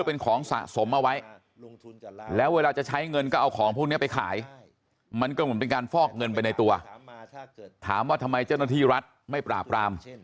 พวกนี้ไปขายมันก็เหมือนเป็นการฟอกเงินไปในตัวถามว่าทำไมเจ้าหน้าที่รัฐไม่ปราบราม